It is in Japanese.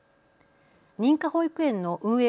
認可保育園の運営